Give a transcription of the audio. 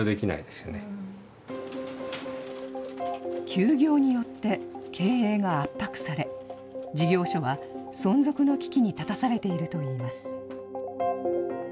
休業によって経営が圧迫され、事業所は存続の危機に立たされているといいます。